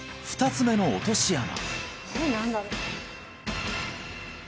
２つ目の落とし穴